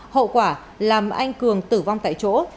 hậu quả làm anh cường tử vong tại chỗ